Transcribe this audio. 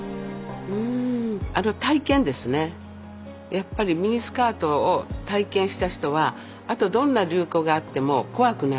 やっぱりミニスカートを体験した人はあとどんな流行があっても怖くないという。